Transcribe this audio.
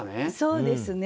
そうですね。